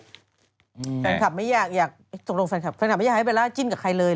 แฟนคลับไม่อยากตกลงแฟนคลับแฟนคลับไม่อยากให้เบลล่าจิ้นกับใครเลย